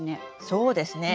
そうですね。